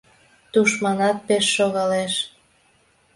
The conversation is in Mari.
«Тушманат пеш шогалеш